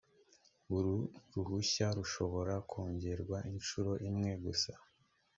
uru ruhushya rushobora kongerwa inshuro imwe gusa